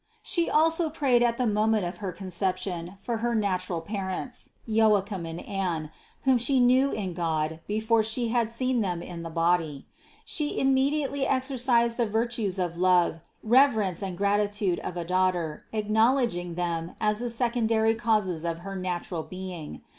234. She also prayed at the moment of her Concep tion for her natural parents, Joachim and Anne, whom She knew in God before She had seen them in the body. Immediately She exercised the virtues of love, reverence and gratitude of a daughter, acknowledging them as the secondary causes of her natural being.